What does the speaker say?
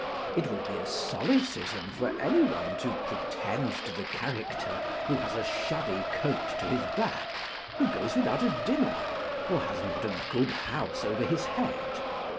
It would be a solecism for any one to pretend to the character who has a shabby coat to his back, who 510 On Respectable People. goes without a dinner, or has not a good house over his head.